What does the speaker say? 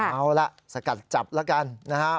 เอาล่ะสกัดจับแล้วกันนะครับ